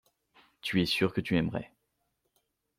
Tu es sûr que tu aimerais.